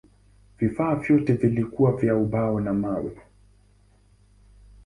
Vifaa vyote vilikuwa vya ubao na mawe.